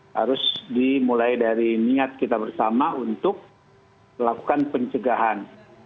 harus dimulai dari niat kita bersama untuk melakukan pencegahan